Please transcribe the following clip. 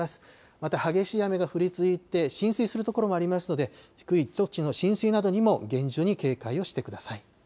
また激しい雨が降り続いて浸水するところもありますので低い土地の浸水などにも厳重に警戒をしてください。